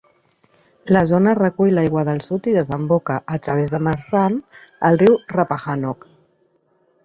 La zona recull l'aigua del sud i desemboca, a través de Marsh Run, al riu Rappahannock.